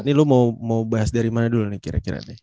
ini lo mau bahas dari mana dulu nih kira kira nih